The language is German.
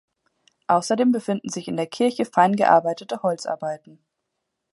Außerdem befinden sich in der Kirche fein gearbeitete Holzarbeiten.